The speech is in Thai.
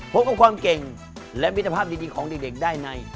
พบกับความเก่งและมิตรภาพดีของเด็กได้ใน